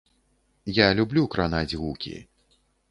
Я люблю кранаць гукі.